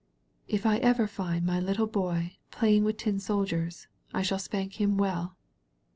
"If ever I find my little boy playing with tin sol diers^ I shall spank him well.